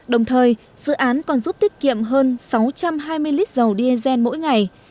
đồng thời dự án còn giúp tiết kiệm hơn sáu trăm hai mươi lít dầu diesel mỗi ngày